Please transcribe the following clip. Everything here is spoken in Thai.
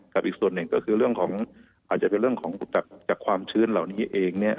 อีกส่วนหนึ่งก็คือเรื่องของอาจจะเป็นเรื่องของจากความชื้นเหล่านี้เองเนี่ย